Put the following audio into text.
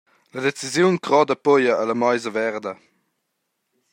La decisiun croda pia alla meisa verda.